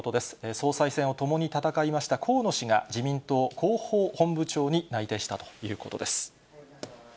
総裁選を共に戦いました河野氏が、自民党広報本部長に内定したということです。